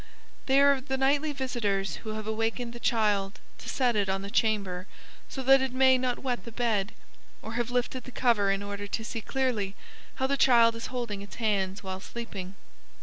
They are the nightly visitors who have awakened the child to set it on the chamber so that it may not wet the bed, or have lifted the cover in order to see clearly how the child is holding its hands while sleeping.